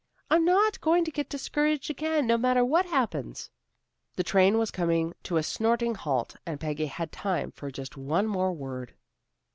I'm not going to get discouraged again, no matter what happens." The train was coming to a snorting halt and Peggy had time for just one more word.